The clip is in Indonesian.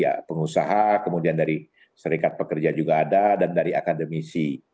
ya pengusaha kemudian dari serikat pekerja juga ada dan dari akademisi